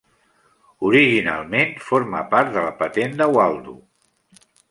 Originalment, forma part de la patent de Waldo.